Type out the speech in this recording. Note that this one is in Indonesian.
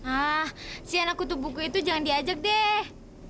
ah si anak tutup buku itu jangan diajak deh